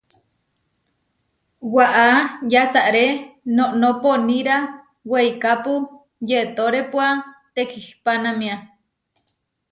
Waʼá yasaré noʼnó poníra weikápu yetórepua tekihpanámia.